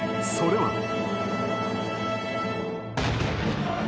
それは。